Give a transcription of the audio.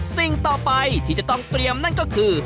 สิ่งต่อไปที่จะต้องเตรียมนั่นก็คือ